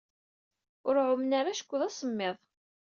Ur ɛummen ara acku d asemmiḍ.